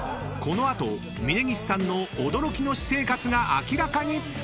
［この後峯岸さんの驚きの私生活が明らかに！］